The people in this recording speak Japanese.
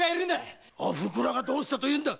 おふくろがどうしたというんだ！